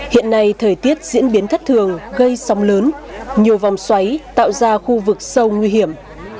hiện nay thời tiết diễn biến thất thường gây sóng lớn nhiều vòng xoáy tạo ra khu vực sâu nguy hiểm